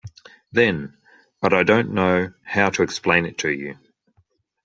Then — but I don't know how to explain it to you.